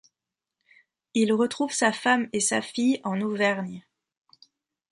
Il retrouve sa femme et sa fille en Auvergne.